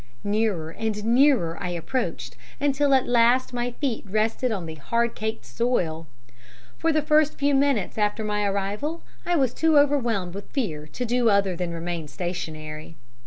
Nearer and nearer I approached, until at last my feet rested on the hard caked soil. For the first few minutes after my arrival I was too overwhelmed with fear to do other than remain stationary.